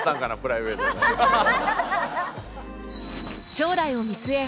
将来を見据え